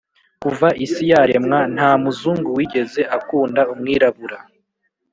kuva isi yaremwa nta muzungu wigeze akunda umwirabura